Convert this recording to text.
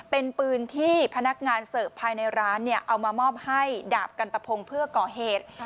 เป็นปืนที่พนักงานเสิร์ฟภายในร้านเอามามอบให้ดาบกันตะพงเพื่อก่อเหตุ